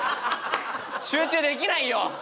集中できないよ